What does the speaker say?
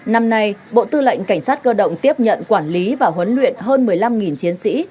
năm nay bộ tư lệnh cảnh sát cơ động tiếp nhận quản lý và huấn luyện hơn một mươi năm chiến sĩ